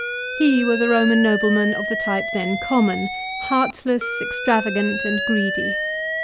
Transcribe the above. He was a Eornan nobleman of the type then common, heartless, extravagant, and greedy.